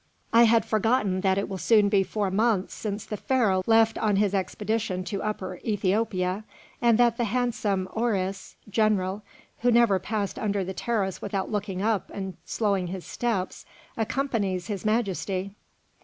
"I had forgotten that it will soon be four months since the Pharaoh left on his expedition to Upper Ethiopia, and that the handsome oëris (general), who never passed under the terrace without looking up and slowing his steps, accompanies His Majesty.